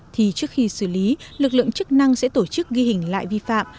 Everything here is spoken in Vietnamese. thì trước khi xử lý lực lượng chức năng sẽ tổ chức ghi hình lại vi phạm